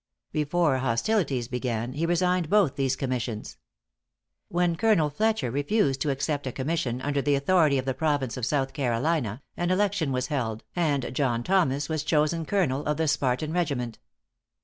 Before hostilities began, he resigned both these commissions. When Colonel Fletcher refused to accept a commission under the authority of the province of South Carolina, an election was held, and John Thomas was chosen Colonel of the Spartan regiment.